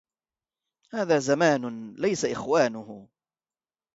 هذا زمان ليس إخوانه